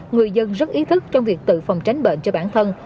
người dân rất ý thức trong việc tự phòng tránh bệnh cho bản thân